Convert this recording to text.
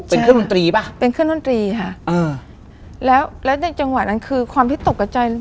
เป็นเครื่องดนตรีป่ะเป็นเครื่องดนตรีค่ะเออแล้วแล้วในจังหวะนั้นคือความที่ตกกับใจ